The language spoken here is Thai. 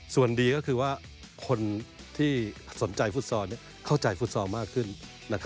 ส่วนดีก็คือว่าคนที่สนใจฟุตซอลเข้าใจฟุตซอลมากขึ้น